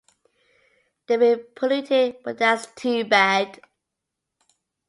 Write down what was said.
They will pollute it but that's too bad.